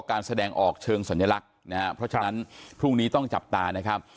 การแสดงออกเชิงสัญลักษณ์นะฮะเพราะฉะนั้นพรุ่งนี้ต้องจับตานะครับ